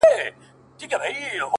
شكر دى چي مينه يې په زړه كـي ده.